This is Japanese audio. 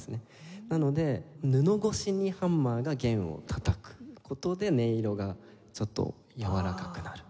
なので布越しにハンマーが弦をたたく事で音色がちょっとやわらかくなる。